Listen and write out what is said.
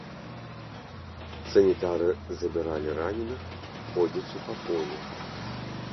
Санітары забіралі раненых, ходзячы па полі.